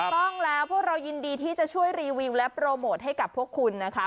ต้องแล้วพวกเรายินดีที่จะช่วยรีวิวและโปรโมทให้กับพวกคุณนะคะ